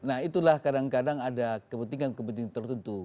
nah itulah kadang kadang ada kepentingan kepentingan tertentu